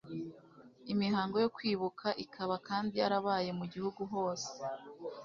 imihango yo kwibuka ikaba kandi yarabaye mu gihugu hose